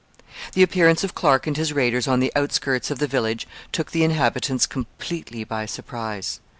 The appearance of Clark and his raiders on the outskirts of the village took the inhabitants completely by surprise.